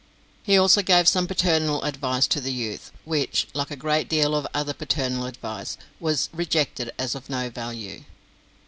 He also gave some paternal advice to the youth, which, like a great deal of other paternal advice, was rejected as of no value.